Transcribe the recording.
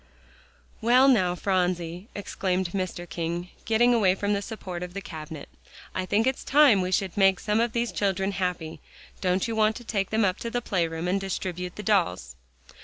"Well, now, Phronsie," exclaimed Mr. King, getting away from the support of the cabinet, "I think it's time that we should make some of these children happy. Don't you want to take them up to the playroom and distribute the dolls?"